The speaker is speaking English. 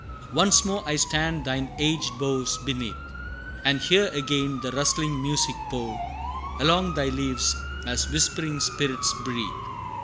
Once more I stand thine aged boughs beneath, And hear again the rustling music pour, Along thy leaves, as whispering spirits breathe.